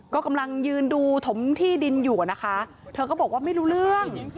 ก็กำลังยืนดูถมที่ดินอยู่อะนะคะเธอก็บอกว่าไม่รู้เรื่อง